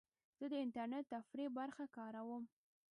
زه د انټرنیټ د تفریح برخه کاروم.